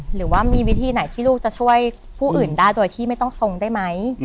หรือว่ามีวิธีไหนที่ลูกจะช่วยผู้อื่นได้โดยที่ไม่ต้องทรงได้ไหม